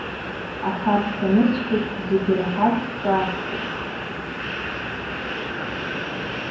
Ахаршә анысшәоз зегьы ираҳартә ҿаасҭит.